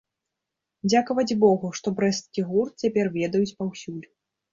Дзякаваць богу, што брэсцкі гурт цяпер ведаюць паўсюль!